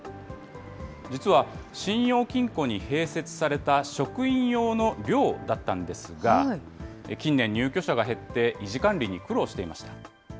実は信用金庫に併設された職員用の寮だったんですが、近年、入居者が減って維持管理に苦労していました。